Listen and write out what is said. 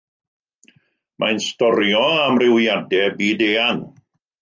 Mae'n storio amrywiadau byd eang.